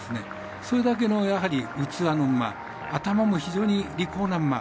それだけの器の馬頭も非常に利口な馬。